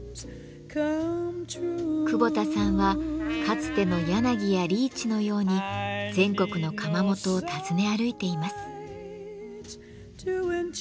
久保田さんはかつての柳やリーチのように全国の窯元を訪ね歩いています。